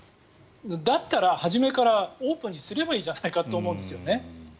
だったら初めからオープンにすればいいじゃないかと思うんですね。